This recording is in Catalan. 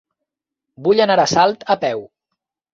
Vull anar a Salt a peu.